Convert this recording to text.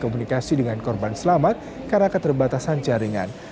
komunikasi dengan korban selamat karena keterbatasan jaringan